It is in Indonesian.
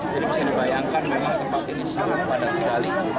jadi bisa dibayangkan bahwa tempat ini sangat padat sekali